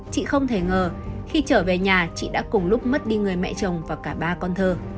chị không thể ngờ khi trở về nhà chị đã cùng lúc mất đi người mẹ chồng và cả ba con thơ